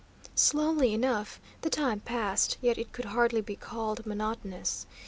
Slowly enough the time passed, yet it could hardly be called monotonous.